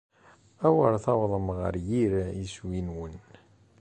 Awer tawḍem ɣer yir iswi-nwen.